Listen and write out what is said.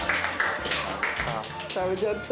食べちゃったよ！